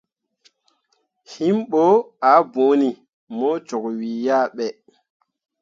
Him ɓo ah bõoni mo cok wii ah ɓe.